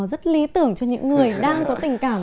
rất lý tưởng cho những người đang có tình cảm